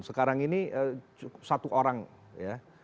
sekarang ini satu orang ya